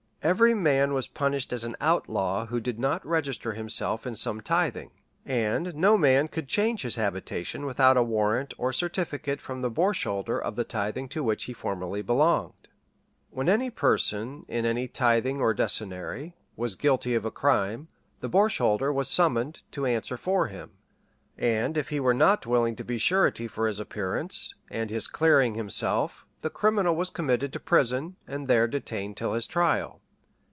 Every man was punished as an outlaw who did not register himself in some tithing. And no man could change his habitation without a warrant or certificate from the borsholder of the tithing to which he formerly belonged. When any person, in any tithing or decennary, was guilty of a crime, the borsholder was summoned to answer for him; and if he were not willing to be surety for his appearance, and his clearing himself, the criminal was committed to prison, and there detained till his trial.